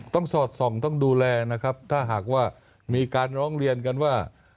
สอดส่องต้องดูแลนะครับถ้าหากว่ามีการร้องเรียนกันว่า